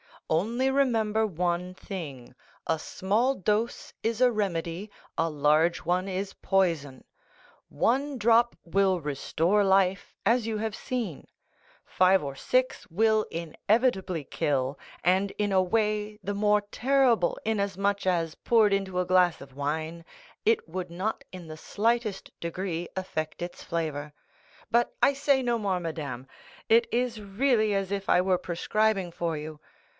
"Only remember one thing—a small dose is a remedy, a large one is poison. One drop will restore life, as you have seen; five or six will inevitably kill, and in a way the more terrible inasmuch as, poured into a glass of wine, it would not in the slightest degree affect its flavor. But I say no more, madame; it is really as if I were prescribing for you."